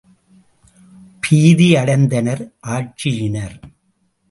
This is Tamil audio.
பீதி அடைந்தனர் ஆட்சியினர்.